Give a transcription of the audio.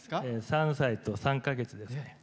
３歳と３か月ですね。